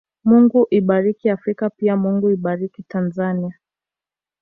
Mungu ibariki Afrika pia Mungu ibariki Tanzania